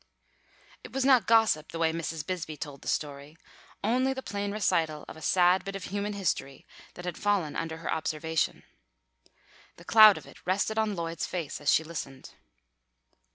It was not gossip the way Mrs. Bisbee told the story, only the plain recital of a sad bit of human history that had fallen under her observation. The cloud of it rested on Lloyd's face as she listened.